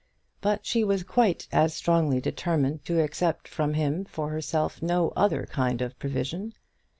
But she was quite as strongly determined to accept from him for herself no other kind of provision.